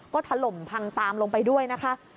ก็ถล่มพังตามลงไปด้วยนะคะ